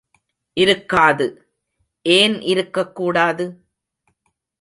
இருக்காது!, ஏன் இருக்கக்கூடாது?